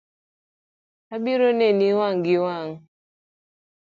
Abiro neni wang’ gi wang’